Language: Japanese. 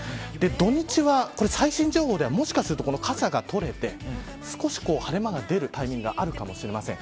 土日は最新情報ではもしかすると傘が取れて少し晴れ間が出るタイミングがあるかもしれません。